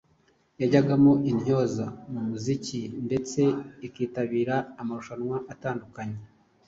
yajyagamo intyoza mu muziki ndetse ikitabira amarushanwa atandukanye.